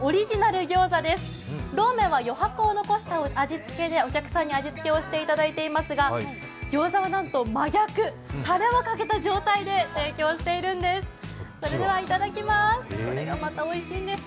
ローメンは余白を残した味付けで、お客さんに味付けをしていただいていますが、餃子はなんと真逆、たれをかけた状態で提供しているんです。